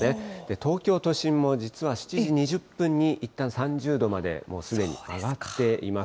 東京都心も実は７時２０分にいったん３０度までもうすでに上がっています。